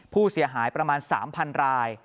ผู้เสียหายประมาณ๓๐๐ราย